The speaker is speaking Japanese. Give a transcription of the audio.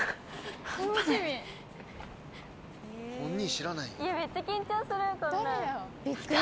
本人知らないんだ。